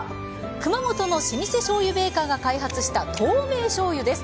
熊本の老舗しょうゆメーカーが開発した透明醤油です。